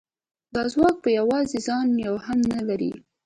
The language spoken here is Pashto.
دا ځواک په یوازې ځان یو هم نه لري